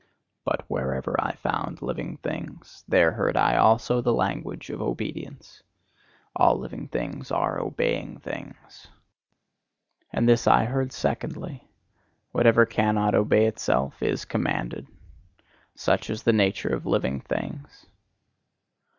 But wherever I found living things, there heard I also the language of obedience. All living things are obeying things. And this heard I secondly: Whatever cannot obey itself, is commanded. Such is the nature of living things.